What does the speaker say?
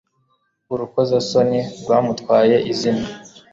Urukozasoni rwamutwaye izina